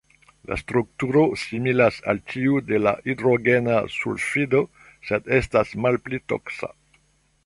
La strukturo similas al tiu de la hidrogena sulfido, sed estas malpli toksa.